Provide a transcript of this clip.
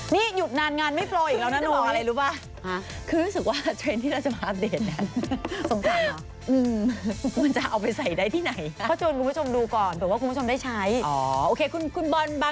นี่หยุดนานงานไม่โปรอีกแล้วนะน้องอะไรรู้ป่ะ